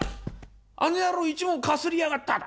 あの野郎一文かすりやがった！